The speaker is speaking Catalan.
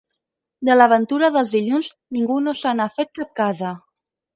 De la ventura dels dilluns ningú no se n'ha fet cap casa.